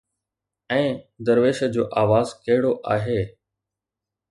۽ درويش جو آواز ڪهڙو آهي